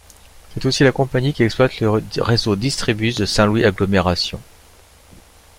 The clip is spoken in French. C'est aussi la compagnie qui exploite le réseau Distribus de Saint-Louis Agglomération.